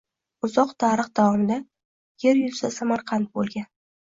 Uzoq tarix davomida yer yuzida Samarqand bo’ lgan.